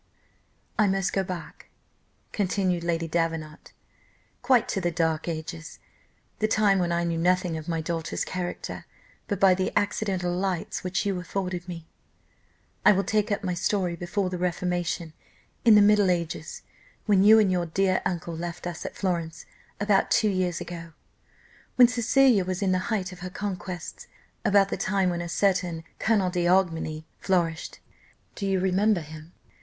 "I must go back," continued Lady Davenant, "quite to the dark ages, the time when I knew nothing of my daughter's character but by the accidental lights which you afforded me. I will take up my story before the reformation, in the middle ages, when you and your dear uncle left us at Florence; about two years ago, when Cecilia was in the height of her conquests, about the time when a certain Colonel D'Aubiguy flourished, you remember him?"